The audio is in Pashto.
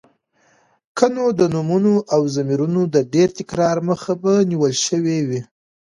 که نو د نومونو او ضميرونو د ډېر تکرار مخه به نيول شوې وې.